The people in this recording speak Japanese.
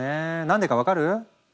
何でか分かる？